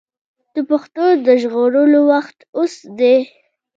د پښتو د ژغورلو وخت اوس دی.